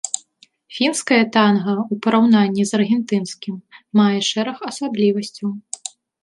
Фінскае танга ў параўнанні з аргентынскім мае шэраг асаблівасцяў.